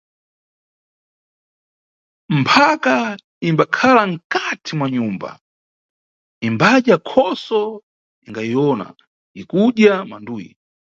Mphaka imbakhala nkati mwa nyumba, imbadya khoso ingayiwona ikudya manduyi.